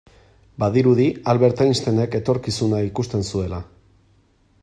Badirudi Albert Einsteinek etorkizuna ikusten zuela.